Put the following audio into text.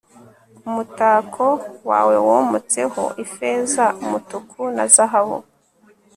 umutako wawe wometseho ifeza, umutuku na zahabu